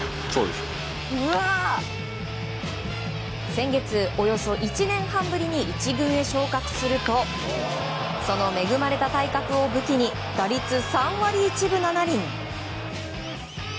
先月およそ１年半ぶりに１軍へ昇格するとその恵まれた体格を武器に打率３割１分７厘。